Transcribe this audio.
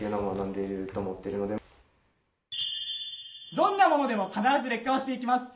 どんなものでも必ず劣化はしていきます。